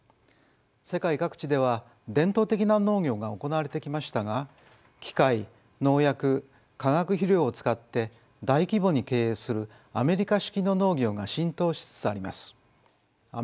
世界各地では伝統的な農業が行われてきましたが機械農薬化学肥料を使って大規模に経営するアメリカ式の農業が浸透しつつあります。